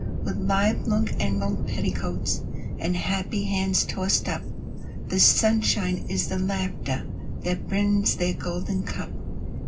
With lithe, long emerald petticoats, And happy hands tossed up, The sunshine is the laughter That brims their golden cup.